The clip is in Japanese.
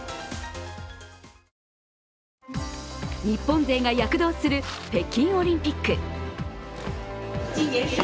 日本勢が躍動する北京オリンピック。